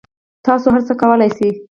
تاسو هر څه کولای شئ